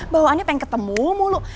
bawaannya pengen ketemu mulu